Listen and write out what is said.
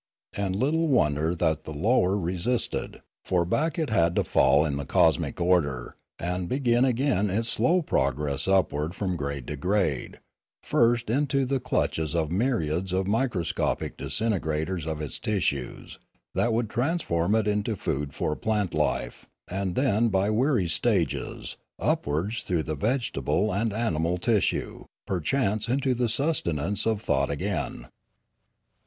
And little wonder 364 Limanora that the lower resisted; for back it had to fall in the cosmic order, and begin again its slow progress upward from grade to grade; first into the clutches of myriads of microscopic disintegrators of its tissues that would transform it into food for plant life, and then by weary stages upwards through vegetable and animal tissue, perchance into the sustenance of thought again.